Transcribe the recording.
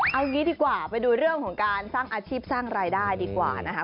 เอางี้ดีกว่าไปดูเรื่องของการสร้างอาชีพสร้างรายได้ดีกว่านะคะ